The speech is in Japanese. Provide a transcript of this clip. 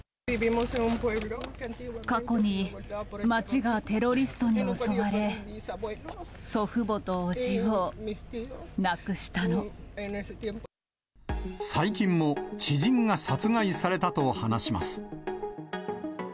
過去に町がテロリストに襲われ、最近も、知人が殺害されたと話します。